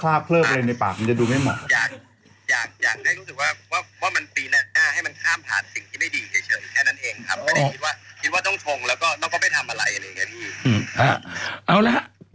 อยากถ่ายใกล้ฟันหรือปากก็ดำมาก